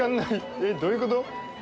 えっ、どういうこと？